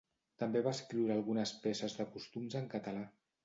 També va escriure algunes peces de costums en català.